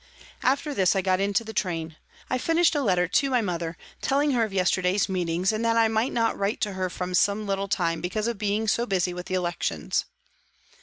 After this I got into the train. I finished a letter to my mother, telling her of yesterday's meetings and that I might not write to her for some little time because of being so busy with the elections.